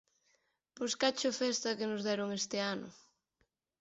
_Pois cacho festa que nos deron este ano.